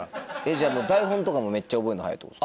じゃあ台本とかもめっちゃ覚えるの早いってことですか？